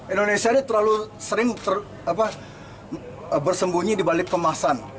indonesia ini terlalu sering bersembunyi dibalik kemasan